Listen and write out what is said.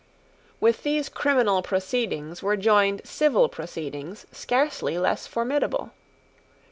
With these criminal proceedings were joined civil proceedings scarcely less formidable.